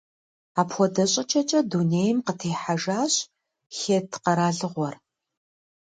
Апхуэдэ щӏыкӏэкӏэ дунейм къытехьэжащ Хетт къэралыгъуэр.